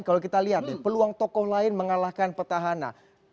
kalau kita lihat peluang tokoh lain mengalahkan petahana